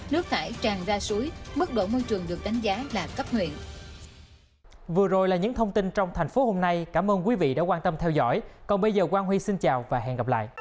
nước thải tràn ra suối mức độ môi trường được đánh giá là cấp huyện